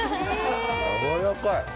やわらかい？